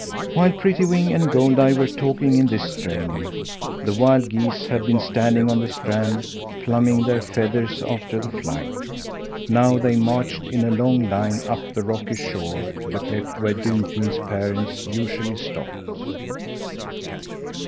While Prettywing and Goldeye were talking in this strain, the wild geese had been standing on the strand, pluming their feathers after the flight. Now they marched in a long line up the rocky shore to the cleft where Dunfin's parents usually stopped.